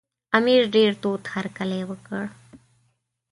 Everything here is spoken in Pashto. امیر ډېر تود هرکلی وکړ.